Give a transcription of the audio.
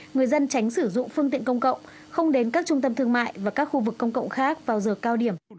người dân tránh sử dụng phương tiện công cộng không đến các trung tâm thương mại và các khu vực công cộng khác vào giờ cao điểm